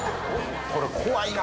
これ怖いな。